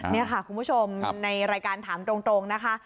นี่ค่ะคุณผู้ชมในรายการถามตรงนะคะ